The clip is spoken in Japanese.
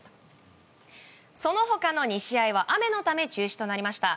その他の２試合は雨のため中止となりました。